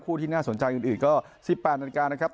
ที่น่าสนใจอื่นก็๑๘นาฬิกานะครับ